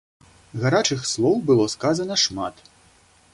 Гарачых слоў было сказана шмат.